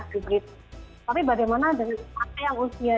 tapi bagaimana dari anak yang usia di misalkan saja kelas satu kelas dua kelas tiga